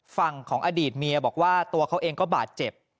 ฝั่งของอดีตเมียบอกว่าตัวเขาเองก็บาดเจ็บ